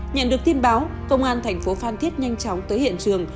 nhận được tin báo công an thành phố phan thiết nhanh chóng tới hiện trường